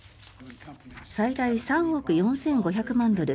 最大３億４５００万ドル